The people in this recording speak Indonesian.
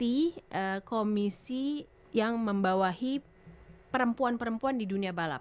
itu pasti komisi yang membawahi perempuan perempuan di dunia balap